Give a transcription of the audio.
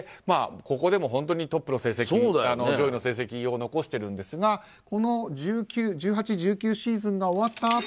ここでもトップの成績上位の成績を残してるんですがこの１８１９シーズンが終わった